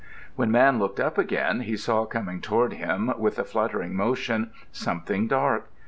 When Man looked up again he saw coming toward him, with a fluttering motion, something dark.